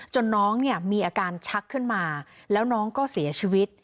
น้องเนี่ยมีอาการชักขึ้นมาแล้วน้องก็เสียชีวิต